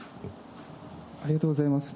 ありがとうございます。